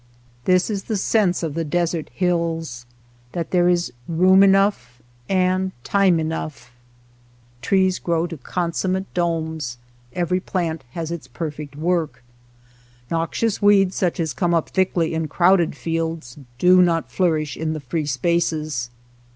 This is the sense of the desert hills, that there is room enough and time enough. Trees grow to consummate domes ; every ^7 SHOSHONE LAND plant has its perfect work. Noxious weeds such as come up thickly in crowded fields do not flourish in the free spaces.